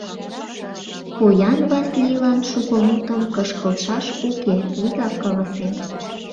Поян Васлийлан шуко мутым кышкылтшаш уке, вигак каласем.